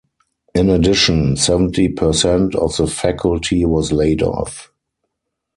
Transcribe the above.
In addition, seventy percent of the faculty was laid off.